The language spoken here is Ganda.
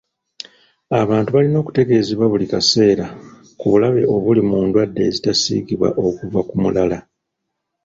Abantu balina okutegeezebwa buli kaseera ku bulabe obuli mu ndwadde ezitasiigibwa okuva ku mulala.